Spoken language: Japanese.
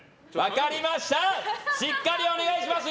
しっかりお願いしますよ！